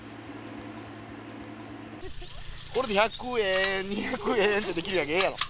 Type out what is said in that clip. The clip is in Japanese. これで１００円２００円ってできるやけんええやろ。